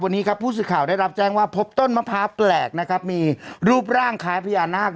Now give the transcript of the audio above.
วันนี้ครับผู้สื่อข่าวได้รับแจ้งว่าพบต้นมะพร้าวแปลกนะครับมีรูปร่างคล้ายพญานาค